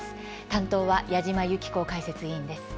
担当は矢島ゆき子解説委員です。